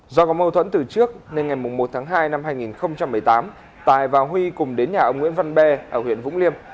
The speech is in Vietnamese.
do có mâu thuẫn từ trước nên ngày một tháng hai năm hai nghìn một mươi tám tài và huy cùng đến nhà ông nguyễn văn be ở huyện vũng liêm